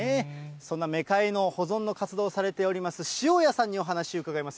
そんなメカイの保存の活動をされております塩谷さんにお話伺います。